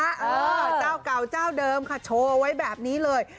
เออเจ้าเก่าเจ้าเดิมค่ะโชว์ไว้แบบนี้เลย